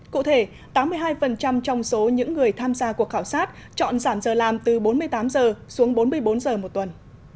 cụ thể tám mươi hai trong số những người tham gia cuộc khảo sát chọn giảm giờ làm từ bốn mươi tám giờ xuống bốn mươi bốn giờ một tuần